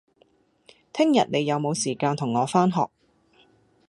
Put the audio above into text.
聽日你有無時間同我返學